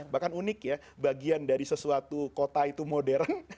bahkan unik ya bagian dari sesuatu kota itu modern